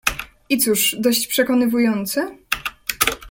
"I cóż, dość przekonywujące?"